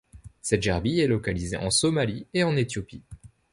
Cette gerbille est localisée en Somalie et en Éthiopie.